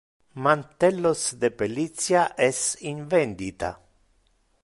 Mantellos de pellicia es in vendita.